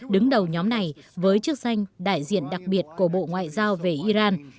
đứng đầu nhóm này với chức danh đại diện đặc biệt của bộ ngoại giao về iran